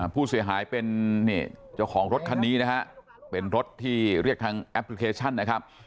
ผู้เสียหายเป็นเจ้าของรถคันนี้นะฮะเป็นรถที่เรียกทางแอปพลิเคชันนะครับ